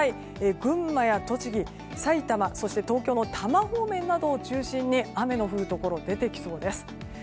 群馬や栃木埼玉、そして東京の多摩方面などを中心に雨の降るところ出てきそうです。